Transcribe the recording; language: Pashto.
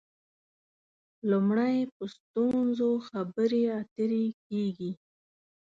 لومړی په ستونزو خبرې اترې کېږي.